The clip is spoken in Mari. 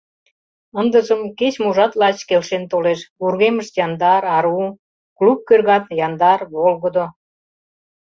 Ындыжым кеч-можат лач келшен толеш: вургемышт — яндар, ару, клуб кӧргат — яндар, волгыдо.